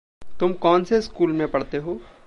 तुम कौनसे स्कूल में पढ़ते हो?